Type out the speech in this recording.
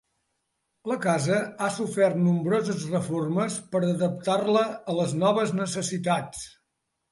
La casa ha sofert nombroses reformes per adaptar-la a noves necessitats.